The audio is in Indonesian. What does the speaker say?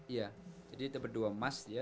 iya jadi kita berdua emas ya